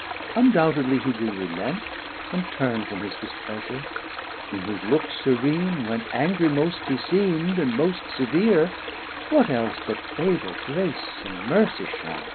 Undoubtedly he will relent and turn From his displeasure; in whose look serene, When angry most he seem'd and most severe, What else but favor, grace, and mercie shon?